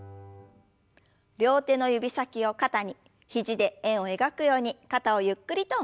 両手の指先を肩に肘で円を描くように肩をゆっくりと回しましょう。